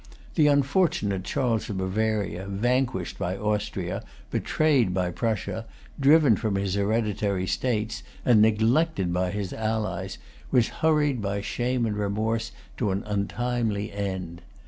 The unfortunate Charles of Bavaria, vanquished by Austria, betrayed by Prussia, driven from his hereditary states, and neglected by his allies, was hurried by shame and remorse to an untimely end.